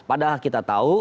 padahal kita tahu